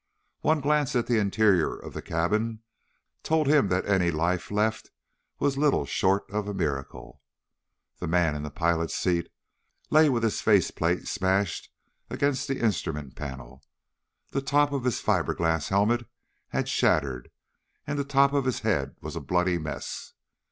One glance at the interior of the cabin told him that any life left was little short of a miracle. The man in the pilot's seat lay with his faceplate smashed against the instrument panel. The top of his fiberglass helmet had shattered and the top of his head was a bloody mess.